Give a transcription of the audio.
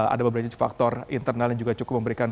ada beberapa faktor internal yang juga cukup memberikan